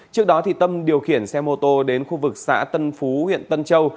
trước đó tâm điều khiển xe mô tô đến khu vực xã tân phú huyện tân châu